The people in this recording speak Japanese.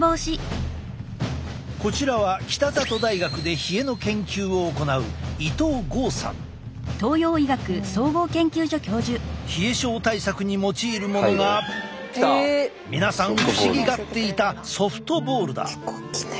こちらは北里大学で冷えの研究を行う冷え症対策に用いるものが皆さん不思議がっていたソフトボールだ！